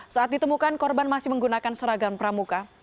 saat ditemukan korban masih menggunakan seragam pramuka